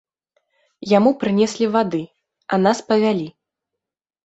Яму прынеслі вады, а нас павялі.